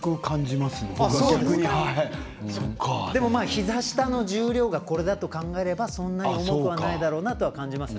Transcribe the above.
ひざ下の重量がこれだと考えるとそんなに重くはないだろうなとは感じますね。